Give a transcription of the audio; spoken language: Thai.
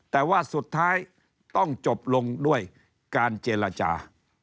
แต่ว่าสุดท้ายต้องจบลงด้วยการเจรจา